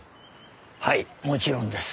はいもちろんです。